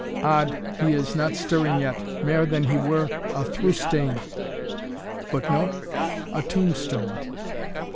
Od, he is not stirring yet, mair than he were a through stane! [Footnote: A tombstone.